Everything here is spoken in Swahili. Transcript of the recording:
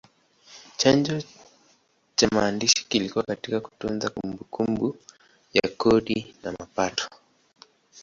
Chanzo cha maandishi kilikuwa katika kutunza kumbukumbu ya kodi na mapato.